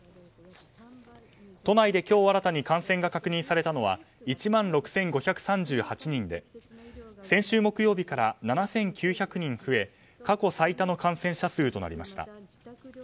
都内で今日新たに感染が確認されたのは１万６５３８人で先週木曜日から７９００人増え過去最多の感染者数となりました。